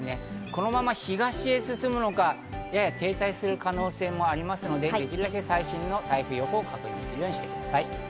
このまま東へ進むのか、やや停滞する可能性もありますので、できるだけ最新の台風予報を確認するようにしてください。